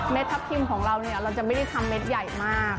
ทับทิมของเราเนี่ยเราจะไม่ได้ทำเม็ดใหญ่มาก